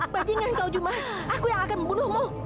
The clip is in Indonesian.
bajingan kau cuma aku yang akan membunuhmu